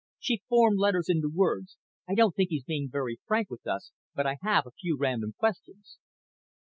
She formed letters into words. "I don't think he's being very frank with us but I have a few random questions."